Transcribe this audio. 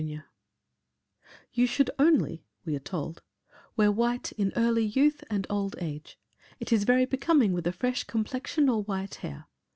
_] "You should only," we are told, "wear white in early youth and old age. It is very becoming with a fresh complexion or white hair.